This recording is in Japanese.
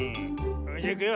それじゃいくよ。